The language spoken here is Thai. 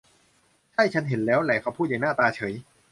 ใช่ ฉันเห็นแล้วแหละ เขาพูดอย่างหน้าตาเฉย